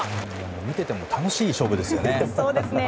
見ていても楽しい勝負ですね。